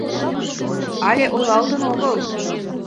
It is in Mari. Але ойлалтын огыл.